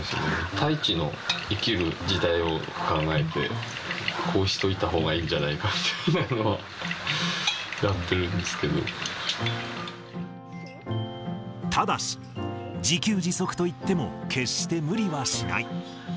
泰地の生きる時代を考えて、こうしといたほうがいいんじゃないかというのをやってるんですけただし、自給自足といっても、決して無理はしない。